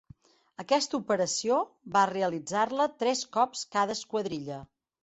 Aquesta operació va realitzar-la tres cops cada esquadrilla.